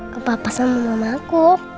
kepapa sama mamaku